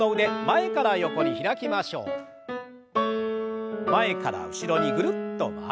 前から後ろにぐるっと回して。